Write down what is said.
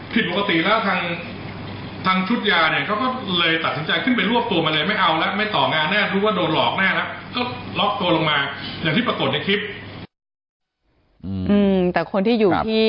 ผิดปกติแล้วทางทางชุดยาเนี้ยเขาก็เลยตัดสินใจขึ้นไปรวบตัวมาเลย